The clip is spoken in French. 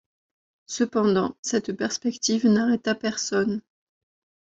Cependant, cette perspective n’arrêta personne.